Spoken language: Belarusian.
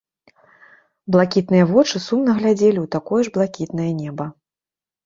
Блакітныя вочы сумна глядзелі ў такое ж блакітнае неба.